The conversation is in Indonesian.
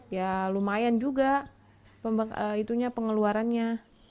ya lumayan juga pengeluarannya